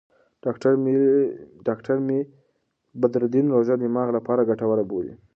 ډاکټره مي بدرالدین روژه د دماغ لپاره ګټوره بولي.